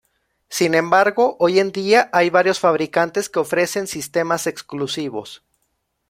Sin embargo, hoy en día hay varios fabricantes que ofrecen sistemas exclusivos.